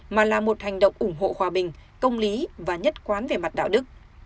mà là một hành động ủng hộ hòa bình công lý và nhất quán về mặt đạo đức